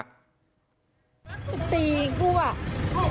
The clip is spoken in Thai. กู้ชีพที่เขากำลังมาประถมพยาบาลดังนะฮะกู้ชีพที่เขากำลังมาประถมพยาบาลดังนะฮะ